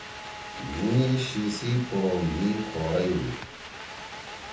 مھی شی سی پو مھی خورئی ہُو۔